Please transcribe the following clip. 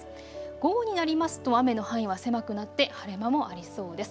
午後になりますと雨の範囲は狭くなって晴れ間もありそうです。